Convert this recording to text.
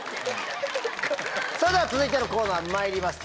それでは続いてのコーナーまいります。